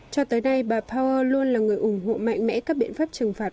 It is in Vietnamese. cho tới nay bà power luôn là người ủng hộ mạnh mẽ các biện pháp trừng phạt